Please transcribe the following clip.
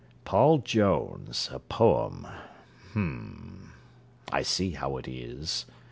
'Paul Jones, a poem.' Hm. I see how it is.